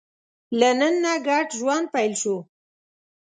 له نن نه ګډ ژوند پیل شو.